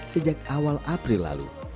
sejak awal april lalu